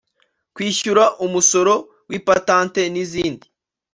kwishyura umusoro w’ipatante n’izindi